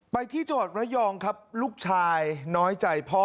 ไปที่จังหวัดระยองครับลูกชายน้อยใจพ่อ